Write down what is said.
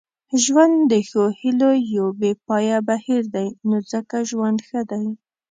ژوند د ښو هیلو یو بې پایانه بهیر دی نو ځکه ژوند ښه دی.